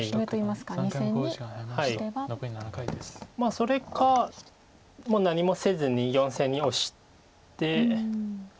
まあそれかもう何もせずに４線にオシて。